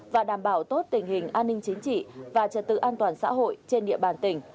và đảm bảo tốt tình hình an ninh chính trị và trật tự an toàn xã hội trên địa bàn tỉnh